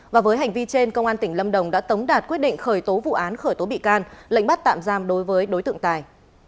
và với hành vi trên công an tỉnh lâm đồng đã tống đạt quyết định khởi tố vụ án khởi tố bị can lệnh bắt tạm giam đối với đối tượng tài